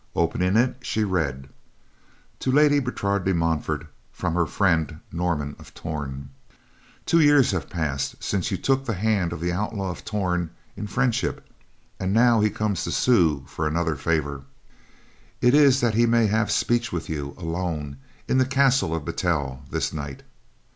Opening it, she read: To Lady Bertrade de Montfort, from her friend, Norman of Torn. Two years have passed since you took the hand of the Outlaw of Torn in friendship, and now he comes to sue for another favor. It is that he may have speech with you, alone, in the castle of Battel this night.